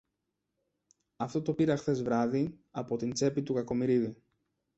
Αυτό το πήρα χθες βράδυ από την τσέπη του Κακομοιρίδη.